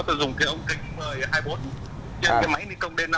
tôi dùng cái ống kính hai mươi bốn